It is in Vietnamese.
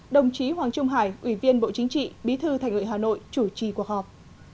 đồng chí hoàng trung hải ủy viên bộ chính trị bí thư thành ủy hà nội chủ trì cuộc họp